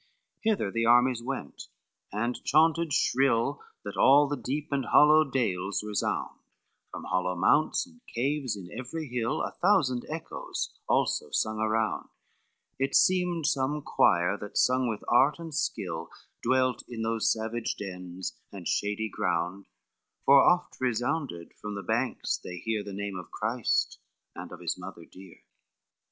XI Hither the armies went, and chanted shrill, That all the deep and hollow dales resound; From hollow mounts and caves in every hill, A thousand echoes also sung around, It seemed some clever, that sung with art and skill, Dwelt in those savage dens and shady ground, For oft resounds from the banks they hear, The name of Christ and of his mother dear.